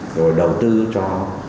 rồi đầu tư cho